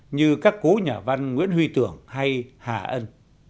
như các cố nhà văn nguyễn huy tưởng hay hà ân